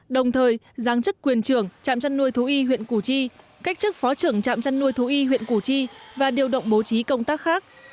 đồng thời giáng chức quyền trưởng trạm chăn nuôi thú y huyện củ chi cách chức phó trưởng trạm chăn nuôi thú y huyện củ chi và điều động bố trí công tác khác